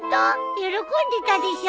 喜んでたでしょ。